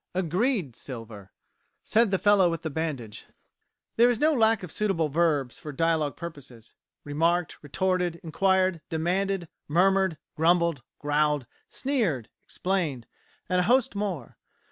Agreed Silver. Said the fellow with the bandage. There is no lack of suitable verbs for dialogue purposes remarked, retorted, inquired, demanded, murmured, grumbled, growled, sneered, explained, and a host more.